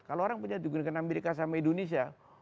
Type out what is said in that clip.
kalau orang punya negeri yang kuat sama indonesia